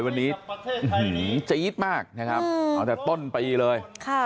วันนี้อื้อหือใจอี๊ดมากนะครับเอาแต่ต้นไปเลยค่ะ